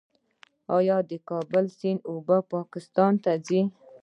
آیا د کابل سیند اوبه پاکستان ته ځي؟